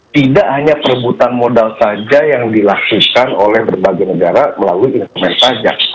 tidak hanya perebutan modal saja yang dilakukan oleh berbagai negara melalui instrumen pajak